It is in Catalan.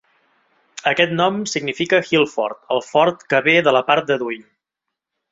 Aquest nom significa Hill-fort, el fort que ve de la part de Duin.